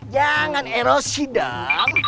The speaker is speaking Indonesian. jangan erosi dong